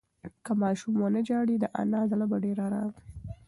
که ماشوم ونه ژاړي، د انا زړه به ډېر ارام وي.